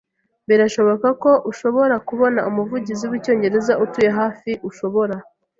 birashoboka ko ushobora kubona umuvugizi wicyongereza utuye hafi ushobora